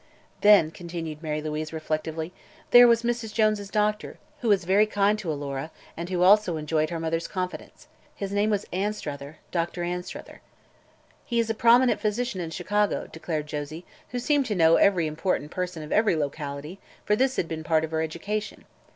"Then," continued Mary Louise, reflectively, "there was Mrs. Jones' doctor, who was very kind to Alora and who also enjoyed her mother's confidence. His name was Anstruther Dr. Anstruther." "He is a prominent physician in Chicago," declared Josie, who seemed to know every important person of every locality, for this had been part of her education.